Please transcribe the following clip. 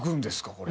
これ。